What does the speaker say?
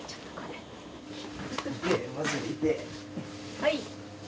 はい。